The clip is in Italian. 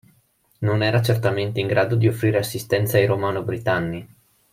Non era certamente in grado di offrire assistenza ai romano-britanni.